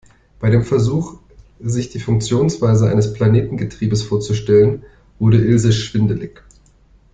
Bei dem Versuch, sich die Funktionsweise eines Planetengetriebes vorzustellen, wurde Ilse schwindelig.